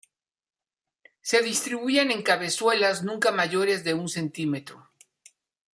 Se distribuyen en cabezuelas, nunca mayores de un centímetro.